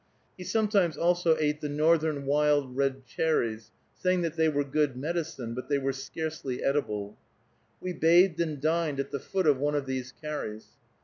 He sometimes also ate the northern wild red cherries, saying that they were good medicine, but they were scarcely edible. We bathed and dined at the foot of one of these carries.